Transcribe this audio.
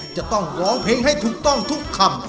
จะต้องร้องเพลงให้ถูกต้องทุกคำ